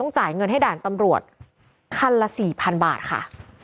ต้องจ่ายเงินให้ด่านตำรวจคันละสี่พันบาทค่ะ